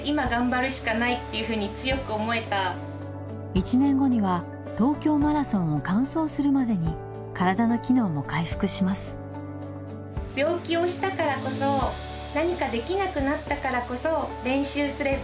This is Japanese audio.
１年後には東京マラソンを完走するまでに体の機能も回復します。